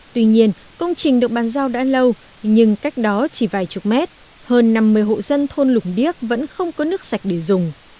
tuy nhiên công trình được bàn giao đã lâu nhưng cách đó chỉ vài chục mét hơn năm mươi hộ dân thôn lũng điếc vẫn không có nước sạch để dùng